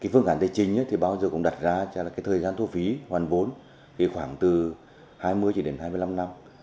phương án tài chính bao giờ cũng đặt ra thời gian thu phí hoàn vốn khoảng từ hai mươi đến hai mươi năm năm